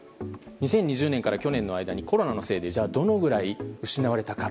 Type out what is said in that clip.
２０２０年から去年の間にコロナのせいでどのぐらい失われたか。